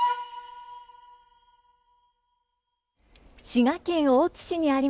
滋賀県大津市にあります